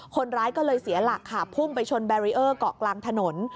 คนร้ายก็เลยเสียหลักค่ะพุ่งไปชนแบรีเออร์เกาะกลางถนน